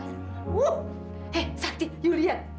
oh eh sakti yuk liat